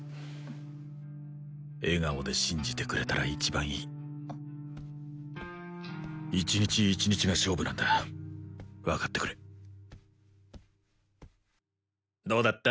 笑顔で信じてくれたら一番いい一日一日が勝負なんだ分かってくれどうだった？